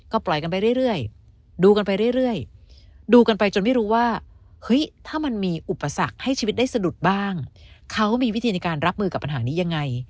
ก็ปล่อยกันไปเรื่อยดูกันไปเรื่อยดูกันไปจนไม่รู้ว่าเฮ้ยถ้ามันมีอุปสรรคให้ชีวิตได้สะดุดบ้างเขามีวิธีในการรับมือกับปัญหานี้ยังไง